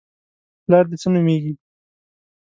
_پلار دې څه نومېږي؟